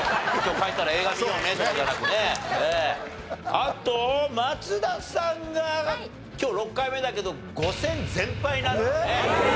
あと松田さんが今日６回目だけど５戦全敗なんだね。